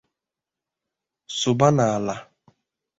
sụba n'ala